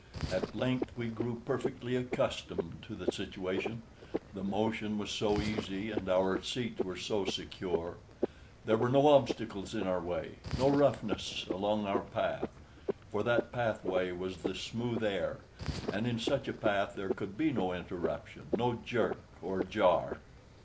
At length we grew perfectly accustomed to the situation, the motion was so easy and our seats were so secure. There were no obstacles in our way, no roughness along our path; for that pathway was the smooth air, and in such a path there could be no interruption, no jerk or jar.